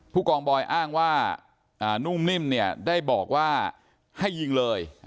ผู้กองบอยอ้างว่านุ่มนิ่มเนี่ยได้บอกว่าให้ยิงเลย